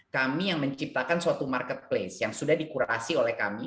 kami yang menciptakan suatu marketplace yang sudah dikurasi oleh kami